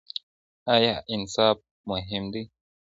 ايا انصاف مهم دی؟